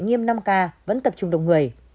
nghiêm năm k vẫn tập trung đông người